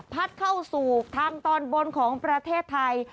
เข้าสู่ทางตอนบนของประเทศไทย